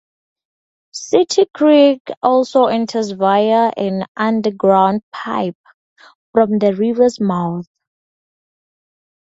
City Creek also enters via an underground pipe, from the river's mouth.